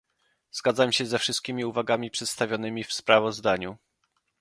Zgadzam się ze wszystkimi uwagami przedstawionymi w sprawozdaniu